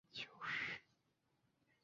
主要从事数值分析和科学计算的研究。